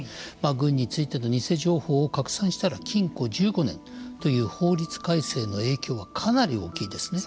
軍についての偽情報を拡散したら禁錮１５年という法律改正の影響はかなり大きいですね。